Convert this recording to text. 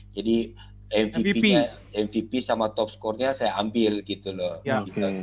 jadi mvp sama top score nya saya ambil gitu loh